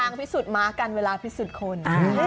พิสูจนม้ากันเวลาพิสูจน์คน